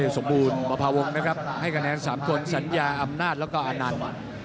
สมบูรณ์ประพาวงศ์นะครับให้คะแนน๓คนสัญญาอำนาจแล้วก็อนันต์